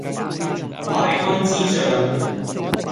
敗軍之將